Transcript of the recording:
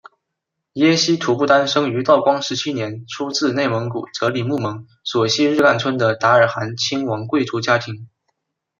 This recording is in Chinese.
耶希图布丹生于道光十七年出自内蒙古哲里木盟索希日干村的达尔罕亲王贵族家庭。